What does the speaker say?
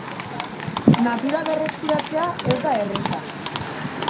Natura berrskuratzea ez da erraza.